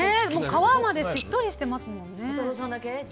皮までしっとりしてますもんね。